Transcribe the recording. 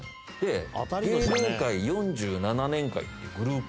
芸能界４７年会っていうグループ